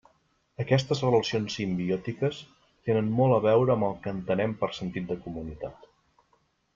Aquestes relacions simbiòtiques tenen molt a veure amb el que entenem per sentit de comunitat.